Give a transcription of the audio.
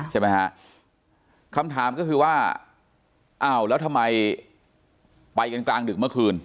ใช่ไหมฮะคำถามก็คือว่าอ้าวแล้วทำไมไปกันกลางดึกเมื่อคืน